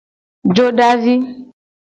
Jodavi.